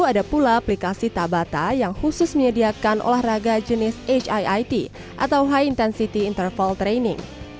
ada pula aplikasi tabata yang khusus menyediakan olahraga jenis hiit atau high intensity interval training